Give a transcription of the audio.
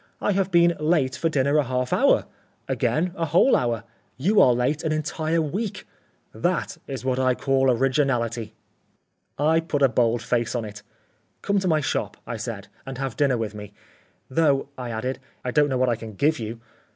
"I have been late for dinner a half hour, again a whole hour; you are late an entire week. That is what I call originality." I put a bold face on it. "Come to my shop," I said, "and have dinner with me. Though," I added, "I don't know what I can give you."